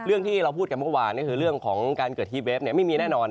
ที่เราพูดกันเมื่อวานก็คือเรื่องของการเกิดฮีฟเวฟไม่มีแน่นอน